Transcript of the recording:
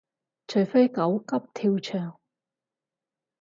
除非狗急跳墻